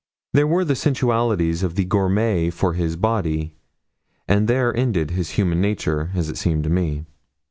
There were the sensualities of the gourmet for his body, and there ended his human nature, as it seemed to me.